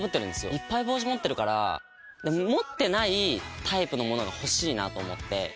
いっぱい帽子持ってるから持ってないタイプのものが欲しいなと思って。